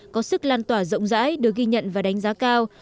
có sức lan tỏa rộng rãi được ghi nhận và đánh giá cao